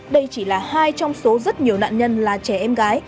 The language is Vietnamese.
đây chỉ là hai trong số rất nhiều nạn nhân là trẻ em gái